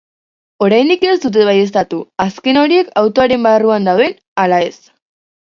Oraindik ez dute baieztatu azken horiek autoaren barruan dauden ala ez.